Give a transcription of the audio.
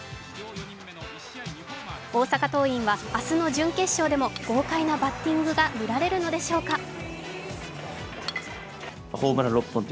大阪桐蔭は、明日の準決勝でも豪快なバッティングが見られるのでしょうか。